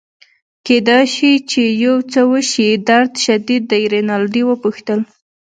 کیدای شي چي یو څه وشي، درد شدید دی؟ رینالډي وپوښتل.